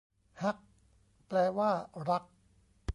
ฮัก แปลว่า รัก